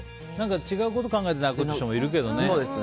違うこと考えて泣く人もいるけどね。